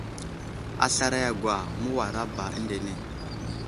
A slaray a gwa, məwara ba əndene.